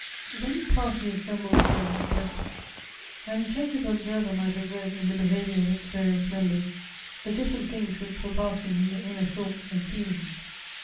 WHEN the party assembled again at breakfast, an attentive observer might have read in the behav ior of its various members the different things which were passing in their inner thoughts and feelings.